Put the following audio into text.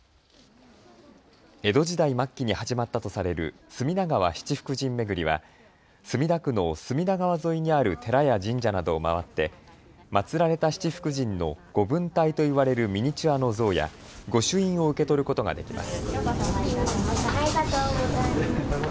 江戸時代末期に始まったとされる隅田川七福神めぐりは墨田区の隅田川沿いにある寺や神社などを回って祭られた七福神の御分体と言われるミニチュアの像や御朱印を受け取ることができます。